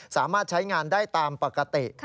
สามารถใช้งานได้ตามปกติ